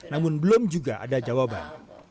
namun belum juga ada jawaban